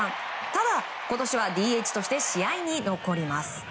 ただ、今年はＤＨとして試合に残ります。